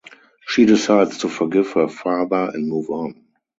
She decides to forgive her father and move on.